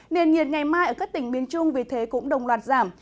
nền nhiệt ngày mai ở các tỉnh miền trung vì thế cũng đồng loạt giảm